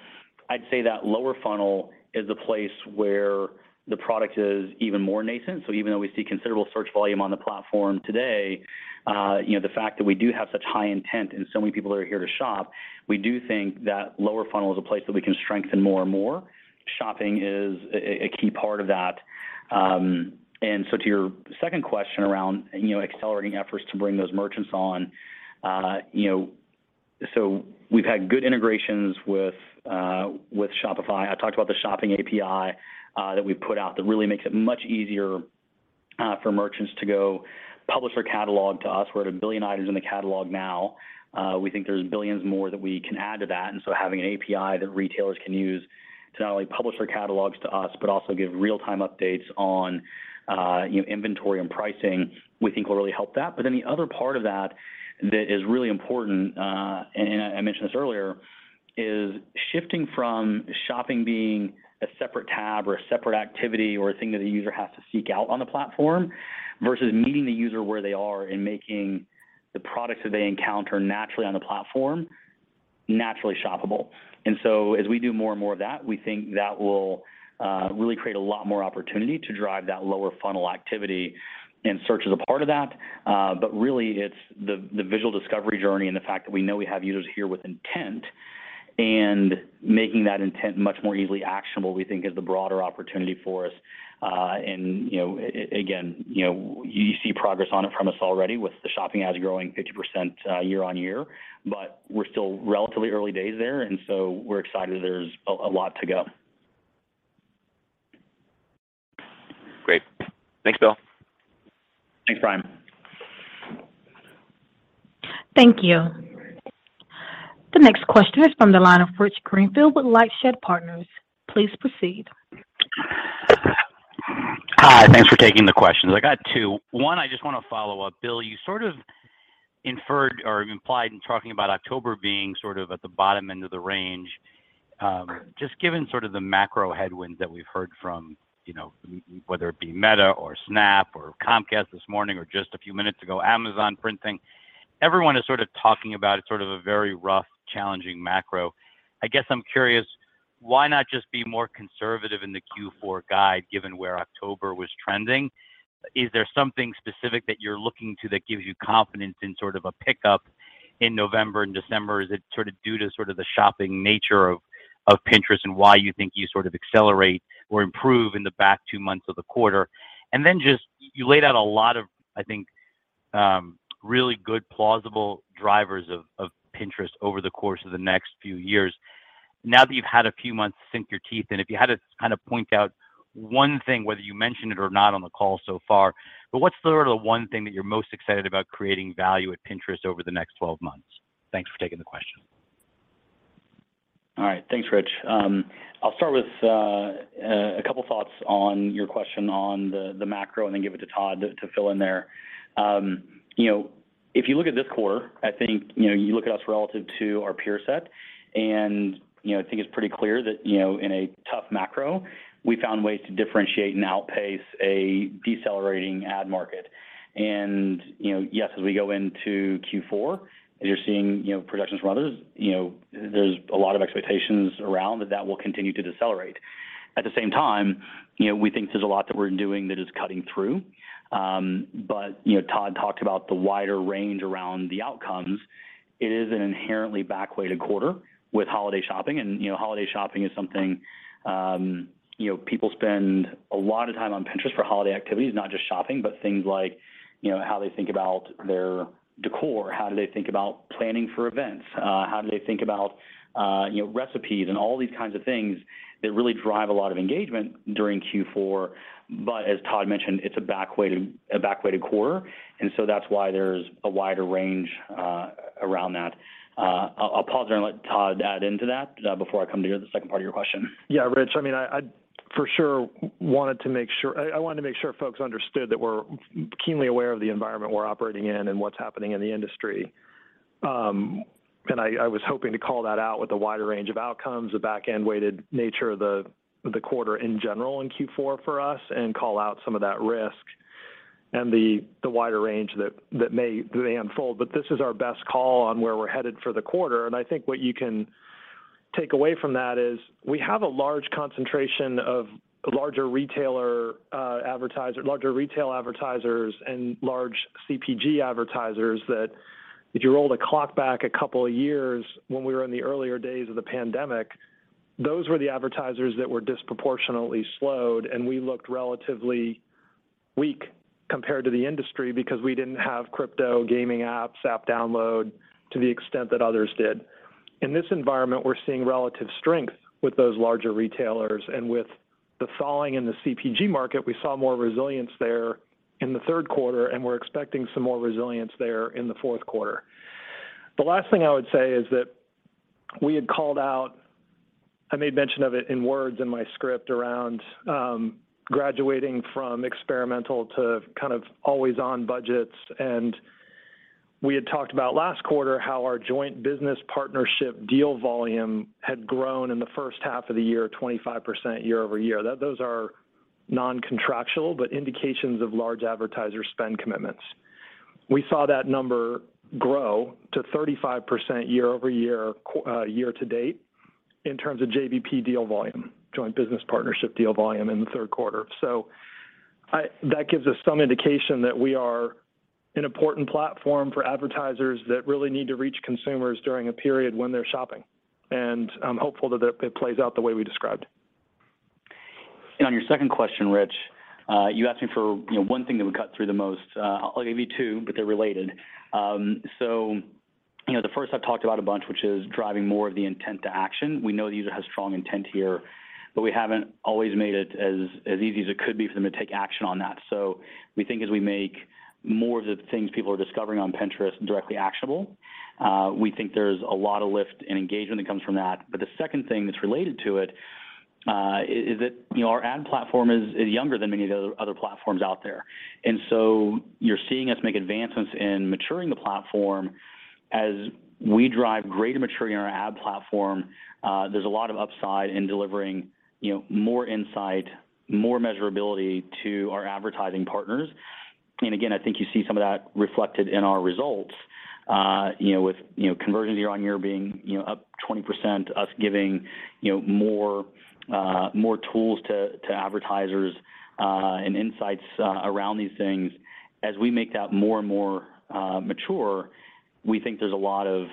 I'd say that lower funnel is the place where the product is even more nascent. Even though we see considerable search volume on the platform today, you know, the fact that we do have such high intent and so many people are here to shop, we do think that lower funnel is a place that we can strengthen more and more. Shopping is a key part of that. To your second question around, you know, accelerating efforts to bring those merchants on, you know. We've had good integrations with Shopify. I talked about the Shopping API that we put out that really makes it much easier for merchants to go publish their catalog to us. We're at a billion items in the catalog now. We think there's billions more that we can add to that, and so having an API that retailers can use to not only publish their catalogs to us, but also give real-time updates on, you know, inventory and pricing, we think will really help that. The other part of that that is really important, and I mentioned this earlier, is shifting from shopping being a separate tab or a separate activity or a thing that a user has to seek out on the platform versus meeting the user where they are and making the products that they encounter naturally on the platform naturally shoppable. As we do more and more of that, we think that will really create a lot more opportunity to drive that lower funnel activity and search as a part of that. Really it's the visual discovery journey and the fact that we know we have users here with intent and making that intent much more easily actionable, we think is the broader opportunity for us. You know, again, you know, you see progress on it from us already with the shopping ads growing 50% year-over-year, but we're still relatively early days there, and so we're excited there's a lot to go. Great. Thanks, Bill. Thanks, Brian. Thank you. The next question is from the line of Richard Greenfield with LightShed Partners. Please proceed. Hi. Thanks for taking the questions. I got two. One, I just want to follow up. Bill, you sort of inferred or implied in talking about October being sort of at the bottom end of the range. Just given sort of the macro headwinds that we've heard from, you know, whether it be Meta or Snap or Comcast this morning or just a few minutes ago, Amazon printing, everyone is sort of talking about it, sort of a very rough, challenging macro. I guess I'm curious, why not just be more conservative in the Q4 guide given where October was trending? Is there something specific that you're looking to that gives you confidence in sort of a pickup in November and December? Is it sort of due to sort of the shopping nature of Pinterest and why you think you sort of accelerate or improve in the back two months of the quarter? Just, you laid out a lot of, I think, really good plausible drivers of Pinterest over the course of the next few years. Now that you've had a few months to sink your teeth in, if you had to kind of point out one thing, whether you mentioned it or not on the call so far, but what's sort of the one thing that you're most excited about creating value at Pinterest over the next twelve months? Thanks for taking the question. All right. Thanks, Rich. I'll start with a couple thoughts on your question on the macro and then give it to Todd to fill in there. You know, if you look at this quarter, I think, you know, you look at us relative to our peer set and, you know, I think it's pretty clear that, you know, in a tough macro, we found ways to differentiate and outpace a decelerating ad market. You know, yes, as we go into Q4, as you're seeing, you know, projections from others, you know, there's a lot of expectations around that that will continue to decelerate. At the same time, you know, we think there's a lot that we're doing that is cutting through. But you know, Todd talked about the wider range around the outcomes. It is an inherently back-weighted quarter with holiday shopping. You know, holiday shopping is something, you know, people spend a lot of time on Pinterest for holiday activities, not just shopping, but things like, you know, how they think about their décor, how do they think about planning for events, how do they think about, you know, recipes and all these kinds of things that really drive a lot of engagement during Q4. But as Todd mentioned, it's a back-weighted quarter, and so that's why there's a wider range around that. I'll pause there and let Todd add into that before I come to the second part of your question. Yeah, Rich. I mean, I for sure wanted to make sure folks understood that we're keenly aware of the environment we're operating in and what's happening in the industry. I was hoping to call that out with a wider range of outcomes, a back-end-weighted nature of the quarter in general in Q4 for us and call out some of that risk and the wider range that may unfold. This is our best call on where we're headed for the quarter. I think what you can take away from that is we have a large concentration of larger retailer, advertiser, larger retail advertisers and large CPG advertisers that if you rolled a clock back a couple of years when we were in the earlier days of the pandemic, those were the advertisers that were disproportionately slowed, and we looked relatively weak compared to the industry because we didn't have crypto, gaming apps, app download to the extent that others did. In this environment, we're seeing relative strength with those larger retailers and with the thawing in the CPG market, we saw more resilience there in the third quarter, and we're expecting some more resilience there in the fourth quarter. The last thing I would say is that we had called out, I made mention of it in words in my script around, graduating from experimental to kind of always on budgets. We had talked about last quarter how our joint business partnership deal volume had grown in the first half of the year, 25% year-over-year. Those are non-contractual, but indications of large advertiser spend commitments. We saw that number grow to 35% year-over-year year to date in terms of JBP deal volume, joint business partnership deal volume in the third quarter that gives us some indication that we are an important platform for advertisers that really need to reach consumers during a period when they're shopping. I'm hopeful that it plays out the way we described. On your second question, Rich, you asked me for, you know, one thing that would cut through the most. I'll give you two, but they're related. You know, the first I've talked about a bunch, which is driving more of the intent to action. We know the user has strong intent here, but we haven't always made it as easy as it could be for them to take action on that. So we think as we make more of the things people are discovering on Pinterest directly actionable, we think there's a lot of lift and engagement that comes from that. But the second thing that's related to it is that, you know, our ad platform is younger than many of the other platforms out there. You're seeing us make advancements in maturing the platform. As we drive greater maturity in our ad platform, there's a lot of upside in delivering, you know, more insight, more measurability to our advertising partners. Again, I think you see some of that reflected in our results, you know, with, you know, conversions year-over-year being, you know, up 20%, us giving, you know, more tools to advertisers, and insights around these things. As we make that more and more mature, we think there's a lot of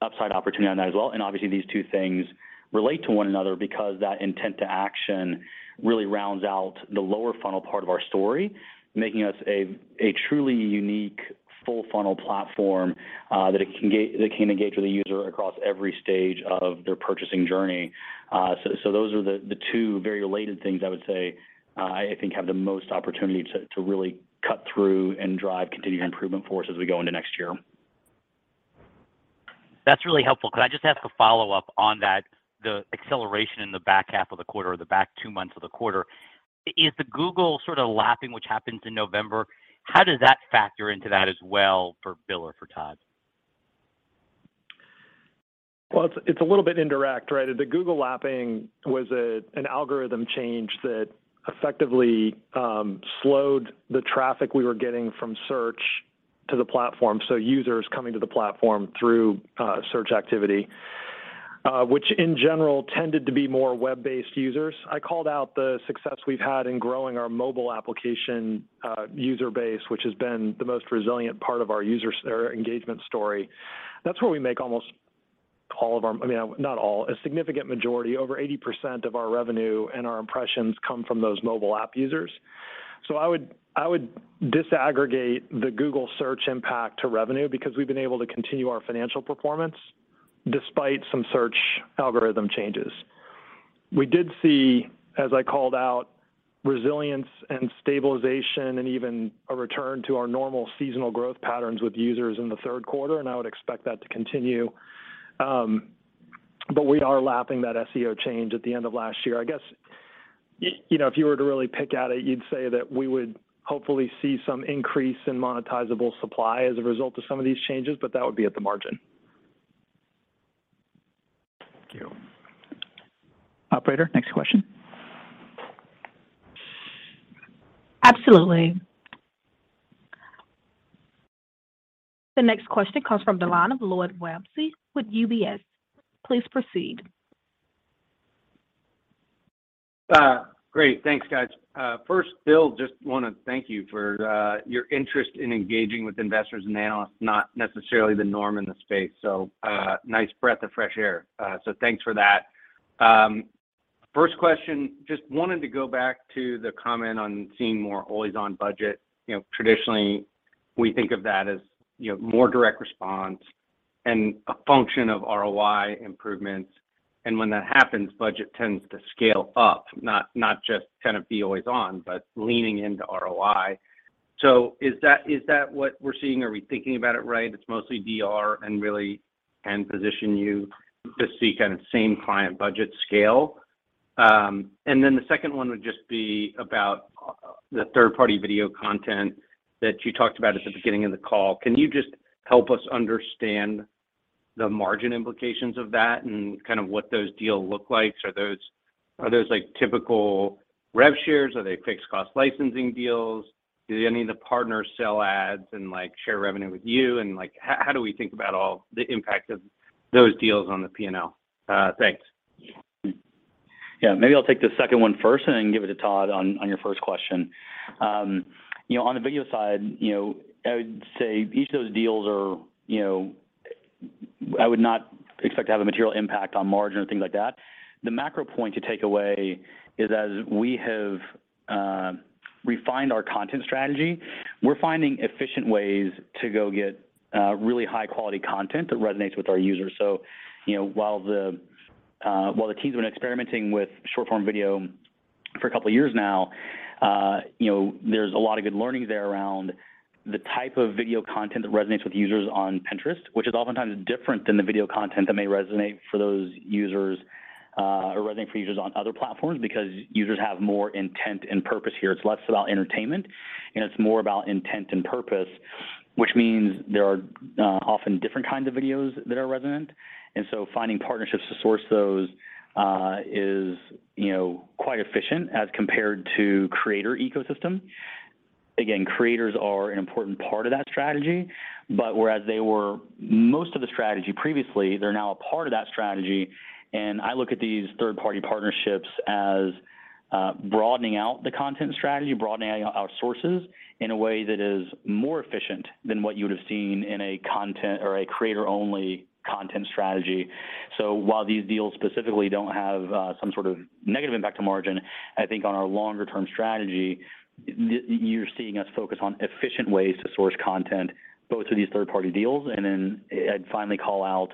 upside opportunity on that as well. Obviously these two things relate to one another because that intent to action really rounds out the lower funnel part of our story, making us a truly unique full funnel platform that can engage with the user across every stage of their purchasing journey. Those are the two very related things I would say I think have the most opportunity to really cut through and drive continued improvement for us as we go into next year. That's really helpful because I just have to follow up on that, the acceleration in the back half of the quarter or the back two months of the quarter. Is the Google sort of lapping, which happens in November, how does that factor into that as well for Bill or for Todd? Well, it's a little bit indirect, right? The Google update was an algorithm change that effectively slowed the traffic we were getting from search to the platform, so users coming to the platform through search activity, which in general tended to be more web-based users. I called out the success we've had in growing our mobile application user base, which has been the most resilient part of our users or engagement story. That's where we make almost all of our, I mean, not all, a significant majority, over 80% of our revenue and our impressions come from those mobile app users. I would disaggregate the Google Search impact to revenue because we've been able to continue our financial performance despite some search algorithm changes. We did see, as I called out, resilience and stabilization and even a return to our normal seasonal growth patterns with users in the third quarter, and I would expect that to continue. We are lapping that SEO change at the end of last year. I guess, you know, if you were to really pick at it, you'd say that we would hopefully see some increase in monetizable supply as a result of some of these changes, but that would be at the margin. Thank you. Operator, next question. Absolutely. The next question comes from the line of Lloyd Walmsley with UBS. Please proceed. Great. Thanks, guys. First, Bill, just want to thank you for your interest in engaging with investors and analysts, not necessarily the norm in the space. Nice breath of fresh air. Thanks for that. First question, just wanted to go back to the comment on seeing more always on budget. You know, traditionally, we think of that as, you know, more direct response and a function of ROI improvements. When that happens, budget tends to scale up, not just kind of be always on, but leaning into ROI. Is that what we're seeing? Are we thinking about it right? It's mostly DR and really can position you to seek kind of same client budget scale. The second one would just be about the third-party video content that you talked about at the beginning of the call. Can you just help us understand the margin implications of that and kind of what those deals look like? Are those like typical rev shares? Are they fixed cost licensing deals? Do any of the partners sell ads and like, share revenue with you? Like, how do we think about all the impact of those deals on the P&L? Thanks. Yeah. Maybe I'll take the second one first and then give it to Todd on your first question. You know, on the video side, you know, I would say each of those deals are, you know, I would not expect to have a material impact on margin or things like that. The macro point to take away is as we have refined our content strategy, we're finding efficient ways to go get really high-quality content that resonates with our users. You know, while the team's been experimenting with short-form video for a couple of years now, you know, there's a lot of good learning there around the type of video content that resonates with users on Pinterest, which is oftentimes different than the video content that may resonate for those users or resonate for users on other platforms because users have more intent and purpose here. It's less about entertainment, and it's more about intent and purpose, which means there are often different kinds of videos that are resonant. Finding partnerships to source those is, you know, quite efficient as compared to creator ecosystem. Again, creators are an important part of that strategy, but whereas they were most of the strategy previously, they're now a part of that strategy, and I look at these third-party partnerships as, broadening out the content strategy, broadening out our sources in a way that is more efficient than what you would have seen in a content or a creator-only content strategy. While these deals specifically don't have, some sort of negative impact to margin, I think on our longer term strategy, you're seeing us focus on efficient ways to source content, both through these third-party deals and finally call out,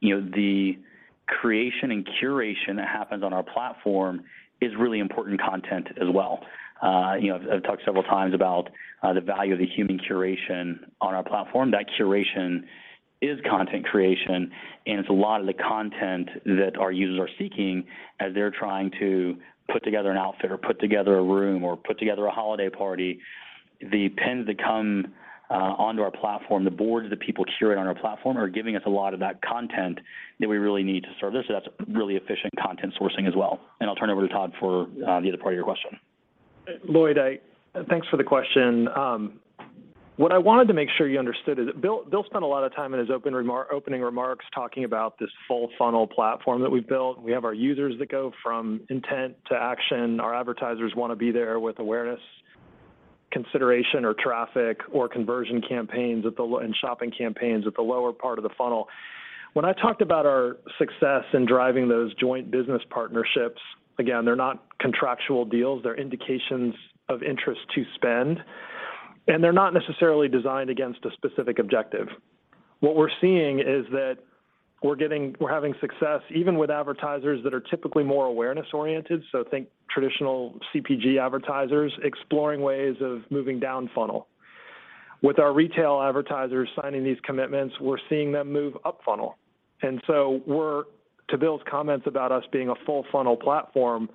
you know, the creation and curation that happens on our platform is really important content as well. You know, I've talked several times about, the value of the human curation on our platform. That curation is content creation, and it's a lot of the content that our users are seeking as they're trying to put together an outfit or put together a room or put together a holiday party. The pins that come onto our platform, the boards that people curate on our platform are giving us a lot of that content that we really need to serve this, so that's really efficient content sourcing as well. I'll turn it over to Todd for the other part of your question. Lloyd, thanks for the question. What I wanted to make sure you understood is that Bill spent a lot of time in his opening remarks talking about this full funnel platform that we've built. We have our users that go from intent to action. Our advertisers want to be there with awareness, consideration or traffic or conversion campaigns and shopping campaigns at the lower part of the funnel. When I talked about our success in driving those joint business partnerships, again, they're not contractual deals, they're indications of interest to spend, and they're not necessarily designed against a specific objective. What we're seeing is that we're having success even with advertisers that are typically more awareness-oriented, so think traditional CPG advertisers exploring ways of moving down funnel. With our retail advertisers signing these commitments, we're seeing them move up funnel. To Bill's comments about us being a full funnel platform,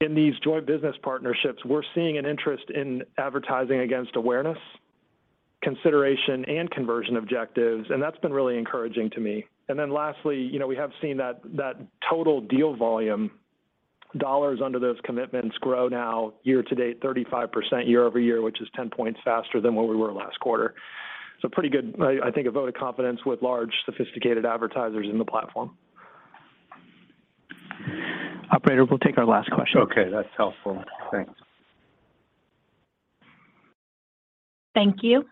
in these joint business partnerships, we're seeing an interest in advertising against awareness, consideration, and conversion objectives, and that's been really encouraging to me. Lastly, you know, we have seen that total deal volume dollars under those commitments grow now year to date 35% year-over-year, which is 10 points faster than what we were last quarter. Pretty good. I think a vote of confidence with large, sophisticated advertisers in the platform. Operator, we'll take our last question. Okay, that's helpful. Thanks. Thank you.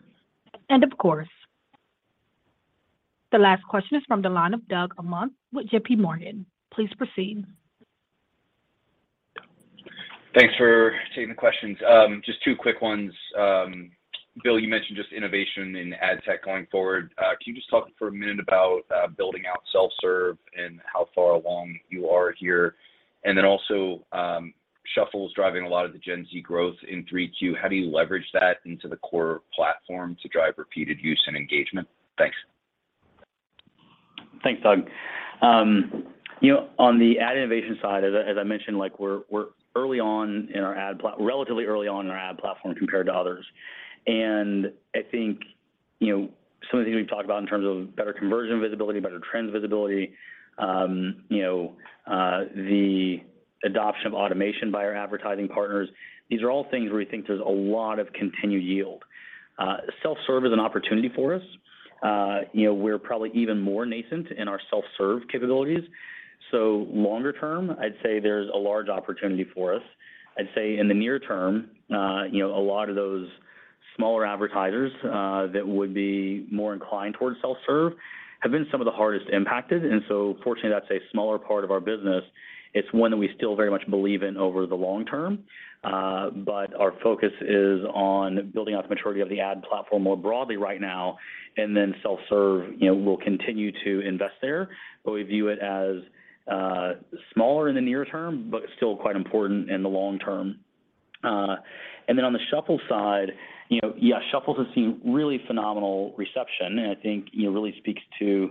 Of course. The last question is from the line of Doug Anmuth with JPMorgan. Please proceed. Thanks for taking the questions. Just two quick ones. Bill, you mentioned just innovation in ad tech going forward. Can you just talk for a minute about building out self-serve and how far along you are here? Shuffles driving a lot of the Gen Z growth in Q3. How do you leverage that into the core platform to drive repeated use and engagement? Thanks. Thanks, Doug. You know, on the ad innovation side, as I mentioned, like we're early on in our ad platform compared to others. I think, you know, some of the things we've talked about in terms of better conversion visibility, better trend visibility, the adoption of automation by our advertising partners, these are all things where we think there's a lot of continued yield. Self-serve is an opportunity for us. You know, we're probably even more nascent in our self-serve capabilities, so longer term, I'd say there's a large opportunity for us. I'd say in the near term, a lot of those smaller advertisers that would be more inclined towards self-serve have been some of the hardest impacted, and so fortunately, that's a smaller part of our business. It's one that we still very much believe in over the long term, but our focus is on building out the maturity of the ad platform more broadly right now and then self-serve, you know, we'll continue to invest there. We view it as smaller in the near term, but still quite important in the long term. On the Shuffles side, you know, yeah, Shuffles has seen really phenomenal reception and I think, you know, really speaks to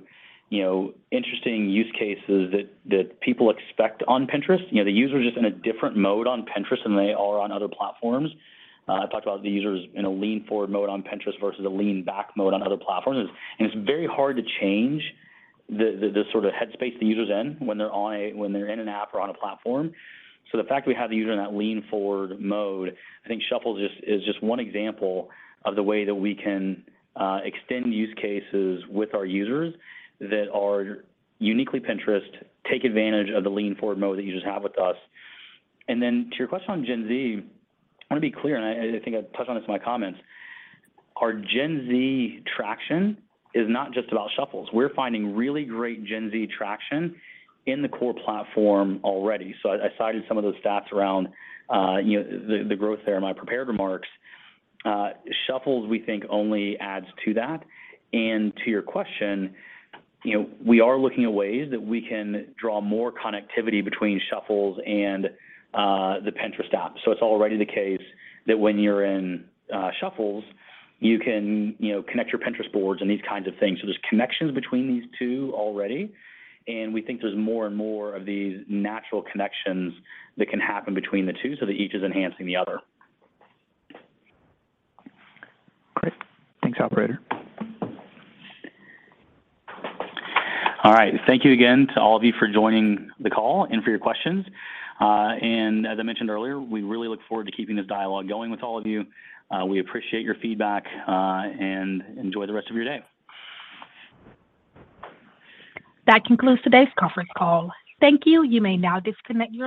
interesting use cases that people expect on Pinterest. You know, the user is just in a different mode on Pinterest than they are on other platforms. I talked about the users in a lean forward mode on Pinterest versus a lean back mode on other platforms. It's very hard to change the sort of headspace the user's in when they're in an app or on a platform. The fact that we have the user in that lean forward mode, I think Shuffles is just one example of the way that we can extend use cases with our users that are uniquely Pinterest, take advantage of the lean forward mode that users have with us. Then to your question on Gen Z, I want to be clear, and I think I touched on this in my comments, our Gen Z traction is not just about Shuffles. We're finding really great Gen Z traction in the core platform already. I cited some of those stats around the growth there in my prepared remarks. Shuffles, we think only adds to that. To your question, you know, we are looking at ways that we can draw more connectivity between Shuffles and the Pinterest app. It's already the case that when you're in Shuffles, you can, you know, connect your Pinterest boards and these kinds of things. There's connections between these two already, and we think there's more and more of these natural connections that can happen between the two so that each is enhancing the other. Great. Thanks, operator. All right. Thank you again to all of you for joining the call and for your questions. As I mentioned earlier, we really look forward to keeping this dialogue going with all of you. We appreciate your feedback, and enjoy the rest of your day. That concludes today's conference call. Thank you. You may now disconnect your lines.